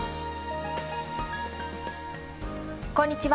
こんにちは。